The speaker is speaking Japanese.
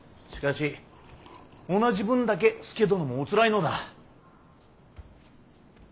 しかし同じ分だけ佐殿もおつらいのだ。